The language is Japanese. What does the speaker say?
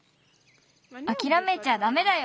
あきらめちゃダメだよ！